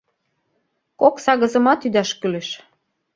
Кок-сагызымат ӱдаш кӱлеш.